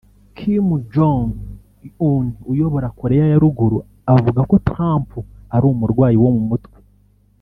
Kim Jon un uyobora Koreya ya Ruguru avuga ko Trump ari umurwayi wo mu mutwe